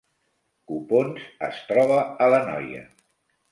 Copons es troba a l’Anoia